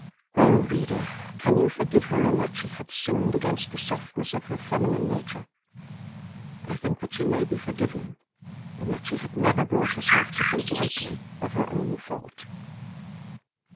Oh! reader, can you forgive her in that she had sinned against the softness of her feminine nature? I think that she may be forgiven, in that she had never brought herself to think lightly of her own fault.